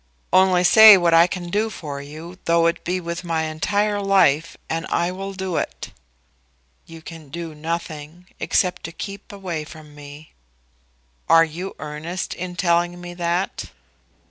"Only say what I can do for you, though it be with my entire life, and I will do it." "You can do nothing, except to keep away from me." "Are you earnest in telling me that?"